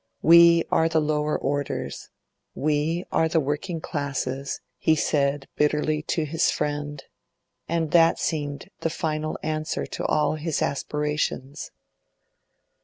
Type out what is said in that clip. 'We are the lower orders; we are the working classes,' he said bitterly to his friend, and that seemed the final answer to all his aspirations.